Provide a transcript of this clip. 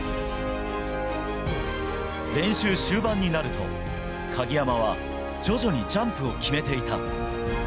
練習終盤になると、鍵山は徐々にジャンプを決めていた。